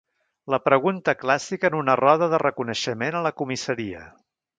La pregunta clàssica en una roda de reconeixement a la comissaria.